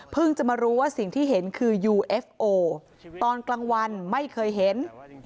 จะมารู้ว่าสิ่งที่เห็นคือยูเอฟโอตอนกลางวันไม่เคยเห็น